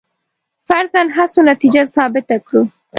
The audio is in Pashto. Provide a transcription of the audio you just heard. فرضاً هڅو نتیجه ثابته کړو.